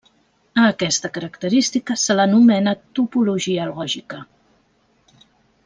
A aquesta característica se l'anomena topologia lògica.